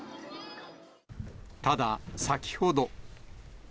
ただ、先ほど。